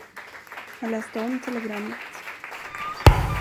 Han läste om telegrammet.